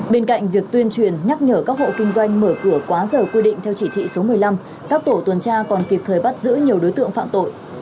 bên cạnh việc tuyên truyền nhắc nhở các hộ kinh doanh mở cửa quá giờ quy định theo chỉ thị số một mươi năm các tổ tuần tra còn kịp thời bắt giữ nhiều đối tượng phạm tội